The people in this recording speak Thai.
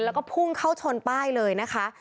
แล้วก็พุ่งเข้าชนป้ายเลยนะคะ